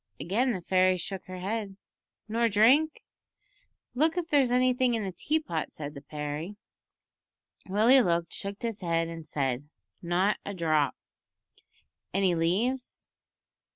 Again the fairy shook her head. "Nor drink?" "Look if there's anything in the tea pot," said the fairy. Willie looked, shook his head, and said, "Not a drop." "Any leaves?"